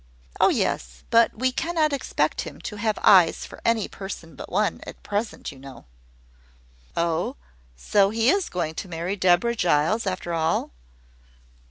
"Oh, yes; but we cannot expect him to have eyes for any person but one, at present, you know." "Oh, so he is going to marry Deborah Giles, after all?"